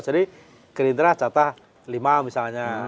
jadi gerindra catah lima misalnya